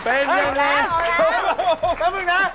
เพราะมึงนะ